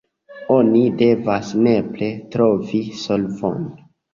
Oni devas nepre trovi solvon.